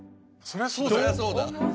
そりゃそうだよ。